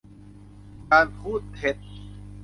การพูดเท็จ